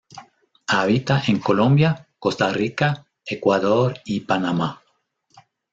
Habita en Colombia, Costa Rica, Ecuador y Panamá.